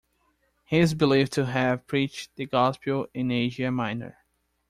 He is believed to have preached the gospel in Asia Minor.